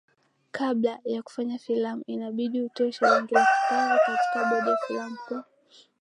kabla ya kufanya filamu inabidi utoe shilingi laki tano katika bodi ya filamu kwa